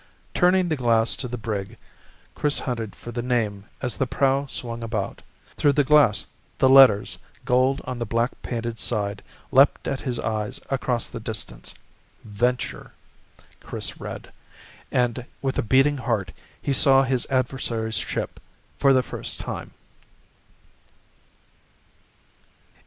Turning the glass to the brig Chris hunted for the name as the prow swung about. Through the glass the letters, gold on the black painted side, leapt at his eye across the distance. Venture, Chris read, and with a beating heart he saw his adversary's ship for the first time.